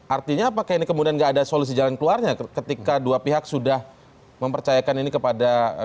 artinya apakah ini kemudian gak ada solusi jalan keluarnya ketika dua pihak sudah mempercayakan ini kepada